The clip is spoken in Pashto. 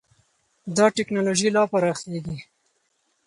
دا ټېکنالوژي لا پراخېږي.